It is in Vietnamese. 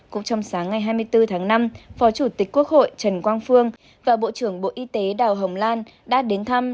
cũng trong sáng ngày hai mươi bốn tháng năm phó chủ tịch quốc hội trần quang phương và bộ trưởng bộ y tế đào hồng lan đã đến thăm